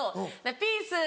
「ピース」。